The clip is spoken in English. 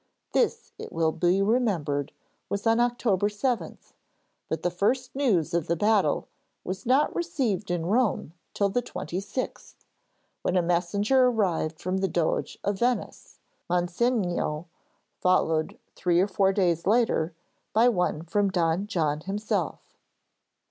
This, it will be remembered, was on October 7, but the first news of the battle was not received in Rome till the 26th, when a messenger arrived from the Doge of Venice, Mocenigo, followed three or four days later by one from Don John himself.